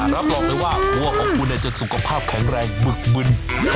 รับรองเลยว่าธุระของกูเนี่ยจะสุขภาพของแรงบึกบึน